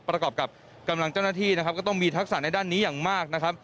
ประกอบกับกำลังเจ้าหน้าที่นะครับก็ต้องมีทักษะในด้านนี้อย่างมากนะครับ